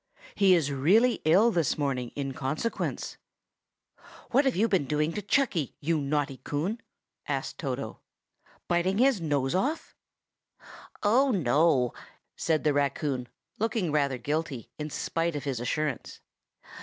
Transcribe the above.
He is really ill this morning in consequence." "What have you been doing to Chucky, you naughty Coon?" asked Toto. "Biting his nose off?" "Oh, no!" said the raccoon, looking rather guilty, in spite of his assurance.